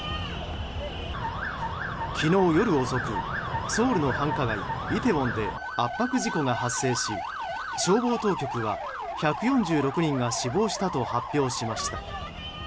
昨日夜遅く、ソウルの繁華街イテウォンで圧迫事故が発生し消防当局は１４６人が死亡したと発表しました。